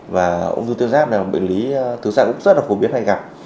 và ung thư tiến giáp là một bệnh lý thường xa cũng rất phổ biến hay gặp